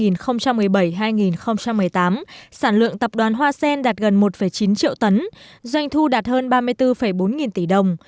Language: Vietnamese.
năm hai nghìn một mươi tám sản lượng tập đoàn hoa sen đạt gần một chín triệu tấn doanh thu đạt hơn ba mươi bốn bốn nghìn tỷ đồng